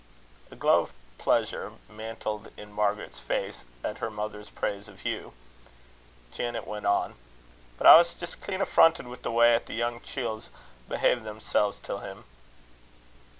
A glow of pleasure mantled in Margaret's face at her mother's praise of Hugh. Janet went on: "But I was jist clean affronted wi' the way 'at the young chields behaved themselves till him."